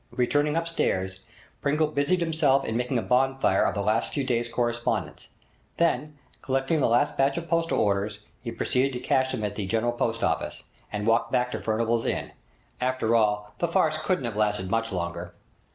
Returning upstairs, Pringle busied himself in making a bonfire of the last few days' correspondence. Then, collecting the last batch of postal orders, he proceeded to cash them at the General Post Office, and walked back to Furnival's Inn. After all, the farce couldn't have lasted much longer.